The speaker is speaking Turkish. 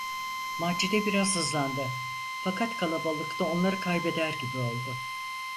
Macide biraz hızlandı, fakat kalabalıkta onları kaybeder gibi oldu.